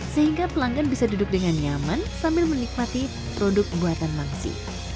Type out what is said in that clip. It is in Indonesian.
sehingga pelanggan bisa duduk dengan nyaman sambil menikmati produk buatan mangsi